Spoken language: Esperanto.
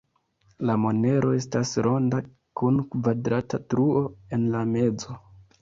La monero estas ronda kun kvadrata truo en la mezo.